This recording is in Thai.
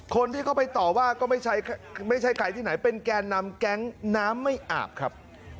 คนที่เข้าไปต่อว่าก็ไม่ใช่ใครที่ไหนเป็นแกนนำแก๊งน้ำไม่อาบครับ